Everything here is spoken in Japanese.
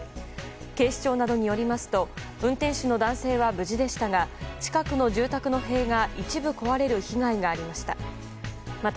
警視庁などによりますと運転手の男性は無事でしたが近くの住宅の塀が一部壊れる被害がありました。